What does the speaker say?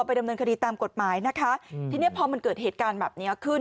ที่นี่พอเหตุการณ์มันเกิดแบบนี้ขึ้น